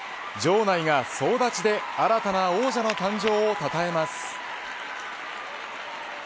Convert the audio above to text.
場内が総立ちで新たな王者の誕生をたたえます。